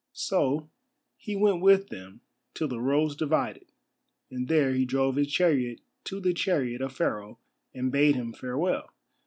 So he went with them till the roads divided, and there he drove his chariot to the chariot of Pharaoh and bade him farewell.